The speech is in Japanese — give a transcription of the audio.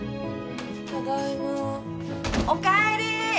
おかえり。